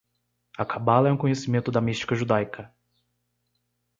A Cabala é um conhecimento da mística judaica